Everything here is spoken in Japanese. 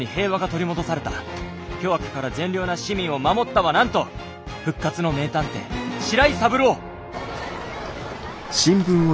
巨悪から善良な市民を守ったはなんと復活の名探偵白井三郎」。